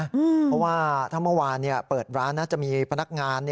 เพราะว่าถ้าเมื่อวานเปิดร้านนะจะมีพนักงาน